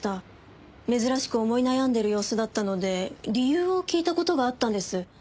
珍しく思い悩んでいる様子だったので理由を聞いた事があったんです。